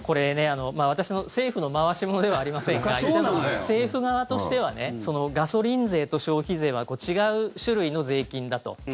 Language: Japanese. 私政府の回し者ではありませんが政府側としてはガソリン税と消費税は違う種類の税金だと。